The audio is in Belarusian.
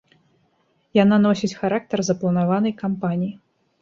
Яна носіць характар запланаванай кампаніі.